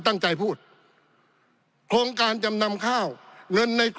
ปี๑เกณฑ์ทหารแสน๒